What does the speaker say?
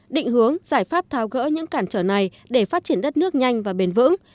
định hướng giải pháp thao gỡ những cản trở này để phát triển đất nước nhanh và bền vững